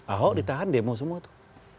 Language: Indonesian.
ahok ditahan demo semua tuh